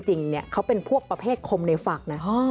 จริงเขาเป็นพวกประเภทคมในฝักนะ